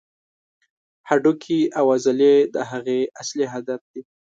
هډوکي او عضلې د هغې اصلي هدف دي.